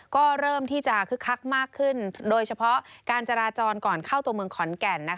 ก็เริ่มที่จะคึกคักมากขึ้นโดยเฉพาะการจราจรก่อนเข้าตัวเมืองขอนแก่น